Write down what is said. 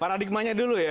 paradigmanya dulu ya